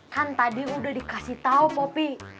kan tadi udah dikasih tau kopi